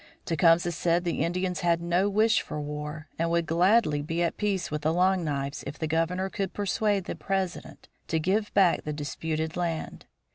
Tecumseh said the Indians had no wish for war, and would gladly be at peace with the Long Knives if the Governor could persuade the President to give back the disputed land.